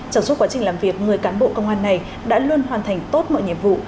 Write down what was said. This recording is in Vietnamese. trong suốt quá trình làm việc người cán bộ công an này đã luôn hoàn thành tốt mọi nhiệm vụ